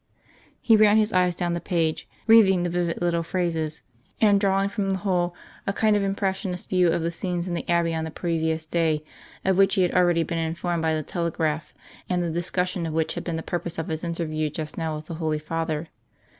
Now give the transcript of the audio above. He ran his eyes down the page, reading the vivid little phrases, and drawing from the whole a kind of impressionist view of the scenes in the Abbey on the previous day, of which he had already been informed by the telegraph, and the discussion of which had been the purpose of his interview just now with the Holy Father.